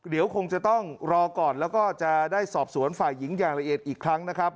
เดี๋ยวคงจะต้องรอก่อนแล้วก็จะได้สอบสวนฝ่ายหญิงอย่างละเอียดอีกครั้งนะครับ